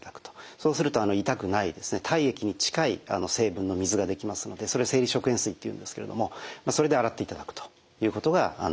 そうすると痛くない体液に近い成分の水が出来ますのでそれを生理食塩水というんですけれどもそれで洗っていただくということがいいと思います。